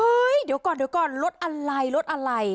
เฮ้ยเดี๋ยวก่อนรถอะไร